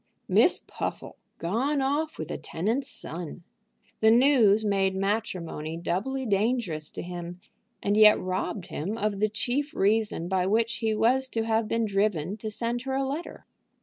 Miss Puffle gone off with the tenant's son! The news made matrimony doubly dangerous to him, and yet robbed him of the chief reason by which he was to have been driven to send her a letter.